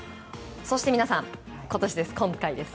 そして皆さん、今年、今回です。